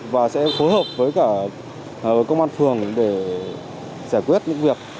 và sẽ phối hợp với cả công an phường để giải quyết những việc